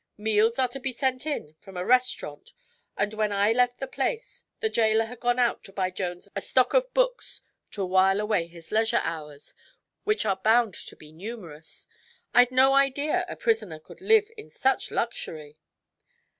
Meals are to be sent in from a restaurant and when I left the place the jailer had gone out to buy Jones a stock of books to while away his leisure hours which are bound to be numerous. I'd no idea a prisoner could live in such luxury."